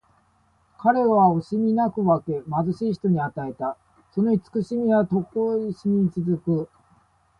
彼は惜しみなく分け、貧しい人に与えた。その慈しみはとこしえに続く。